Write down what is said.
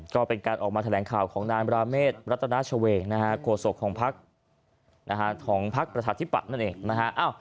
ก็เป็นการออกมาแถลงข่าวของนาฬินปราเมศรัตนาชเวนธโครโสกของภักดิ์ประชาธิบัตินั่นเองนะฮะ